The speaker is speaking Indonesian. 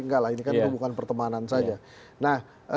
ini kan bukan pertemanan saja